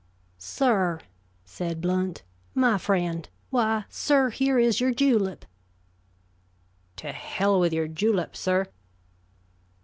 "Sir," said Blount. "My friend why, sir, here is your julep." "To hell with your julep, sir."